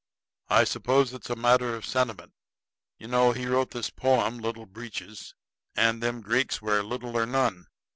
"I suppose it's a matter of sentiment. You know he wrote this poem, 'Little Breeches'; and them Greeks wear little or none.